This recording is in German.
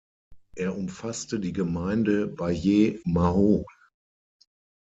Er umfasste die Gemeinde Baie-Mahault.